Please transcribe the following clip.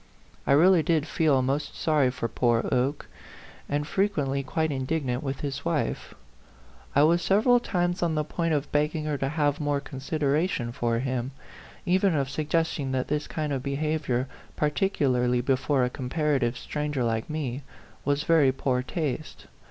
I really did feel most sorry for poor Oke, and frequently quite indignant with his wife. I was sev A PHANTOM LOVER. 101 eral times on the point of begging her to have more consideration for him, even of suggesting that this kind of behavior, par ticularly before a comparative stranger like me, was very poor taste.